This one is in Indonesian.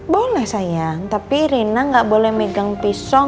boleh sayang tapi rina gak boleh megang pisau